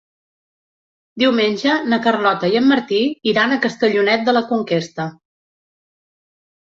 Diumenge na Carlota i en Martí iran a Castellonet de la Conquesta.